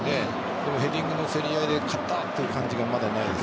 でもヘディングの競り合いで勝ったという形がまだないです。